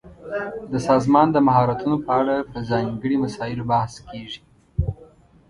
د سازمان د مهارتونو په اړه په ځانګړي مسایلو بحث کیږي.